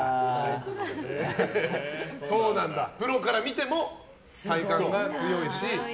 プロから見ても体幹が強いし。